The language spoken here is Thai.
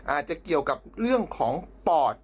อาจจะเกี่ยวกับเรื่องของปอด